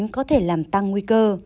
có thể làm tăng nguy cơ